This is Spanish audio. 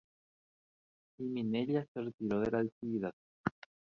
Y Minella se retiró de la actividad.